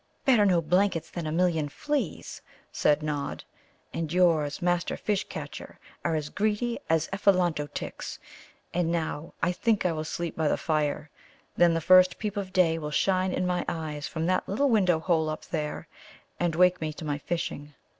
"Better no blankets than a million fleas," said Nod; "and yours, Master Fish catcher, are as greedy as Ephelanto tics. And now I think I will sleep by the fire, then the first peep of day will shine in my eyes from that little window hole up there, and wake me to my fishing."